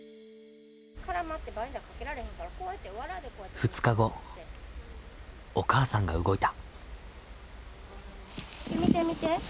２日後お母さんが動いた。